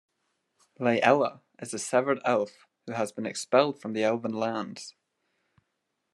Lei'ella is a "severed elf" who has been expelled from the elven lands.